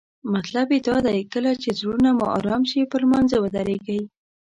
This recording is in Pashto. مطلب یې دا دی کله چې زړونه مو آرام شي پر لمانځه ودریږئ.